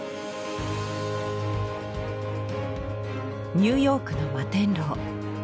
ニューヨークの摩天楼。